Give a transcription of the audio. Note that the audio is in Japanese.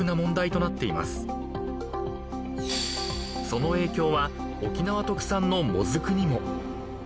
［その影響は沖縄特産のモズクにも］